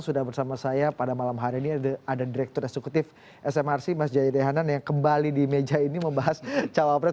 sudah bersama saya pada malam hari ini ada direktur eksekutif smrc mas jaya dehanan yang kembali di meja ini membahas cawapres